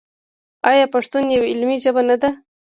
آیا پښتو یوه علمي ژبه نه ده؟